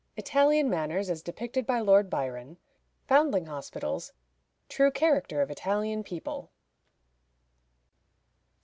Italian Manners as depicted by Lord Byron. Foundling Hospitals. True Character of Italian People.